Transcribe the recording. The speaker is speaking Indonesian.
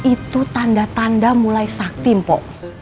itu tanda tanda mulai sakti mpo